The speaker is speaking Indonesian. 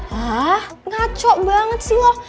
hah ngaco banget sih loh